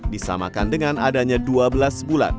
disamakan dengan adanya dua belas bulan